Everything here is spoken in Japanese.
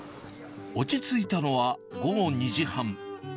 落ち着いたのは午後２時半。